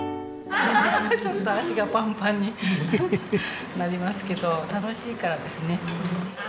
ちょっと足がパンパンになりますけど楽しいからですね。